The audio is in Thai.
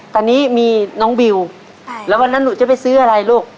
ตอนนี้มีน้องบิวแล้ววันนั้นหนูจะไปซื้ออะไรลูก